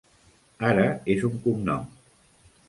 Ara és un cognom.